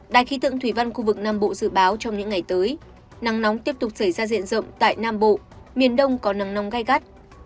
đài khí tượng thủy văn khu vực nam bộ dự báo trong những ngày tới nắng nóng tiếp tục xảy ra diện rộng tại nam bộ miền đông có nắng nóng gai gắt